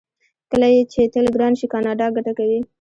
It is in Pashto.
کله چې تیل ګران شي کاناډا ګټه کوي.